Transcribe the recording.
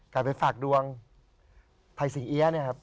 การไปฝากดวงภัยสิงเอี๊ยะเนี่ยครับ